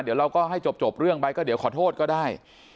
เดี๋ยวเราก็ให้จบเรื่องไปก็เดี๋ยวขอโทษก็ได้